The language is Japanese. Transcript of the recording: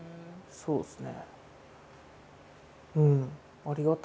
そうですよね。